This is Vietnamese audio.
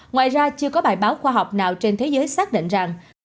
ngoài ra chưa có bài báo khoa học nào trên thế giới xác định rằng